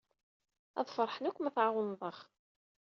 Ad feṛḥen akk ma tɛawneḍ-aɣ.